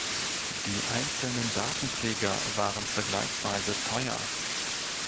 Die einzelnen Datenträger waren vergleichsweise teuer.